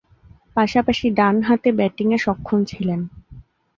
পাশাপাশি ডানহাতে ব্যাটিংয়ে সক্ষম ছিলেন।